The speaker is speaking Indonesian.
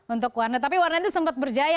untuk warnet tapi warnet itu sempat berjaya